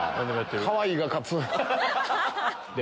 かわいいが勝つ！